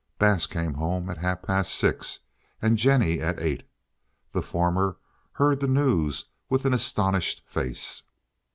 Bass came home at half past six and Jennie at eight. The former heard the news with an astonished face.